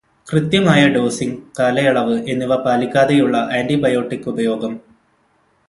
കൃത്യമായ ഡോസിങ്, കാലയളവ്, എന്നിവ പാലിക്കാതെയുള്ള ആന്റിബയോട്ടിക് ഉപയോഗം